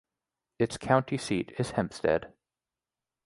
Its county seat is Hempstead.